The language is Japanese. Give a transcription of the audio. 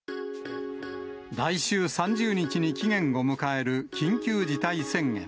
来週３０日に期限を迎える緊急事態宣言。